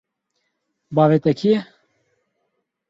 Bavê te kî ye?